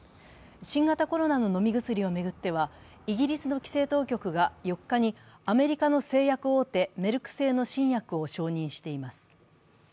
新型コロナの飲み薬を巡っては、イギリスの規制当局が４日にアメリカの製薬大手メルク製の新薬を承認しています。